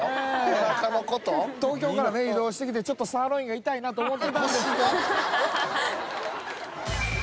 東京から移動してきてちょっとサーロインが痛いなと思ってたんですよ